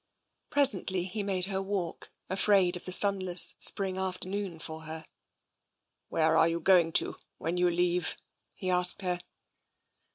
Presently he made her walk, afraid of the sunless spring afternoon for her. "Where are you going to, when you leave?" he asked her.